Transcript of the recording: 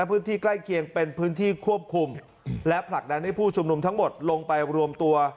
พื้นที่ใกล้เคียงเป็นพื้นที่ควบคุมและผลักดันให้ผู้ชุมนุมทั้งหมดลงไปรวมตัว